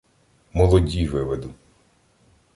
- Молоді виведу.